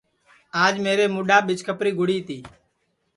آج میرے مُڈؔاپ ٻیچھکپری گُڑی تی